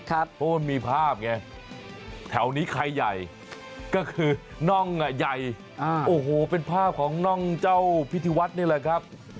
เพราะว่ามันมีภาพไงแถวนี้ใครใหญ่ก็คือน่องใหญ่โอ้โหเป็นภาพของน่องเจ้าพิธีวัฒน์นี่แหละครับ